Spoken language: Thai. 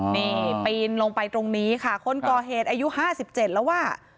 นี่ปีนลงไปตรงนี้ค่ะคนก่อเหตุอายุ๕๗แล้วอ่ะ